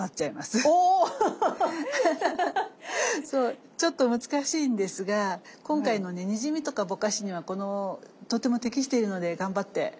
そうちょっと難しいんですが今回のねにじみとかぼかしにはとても適しているので頑張って。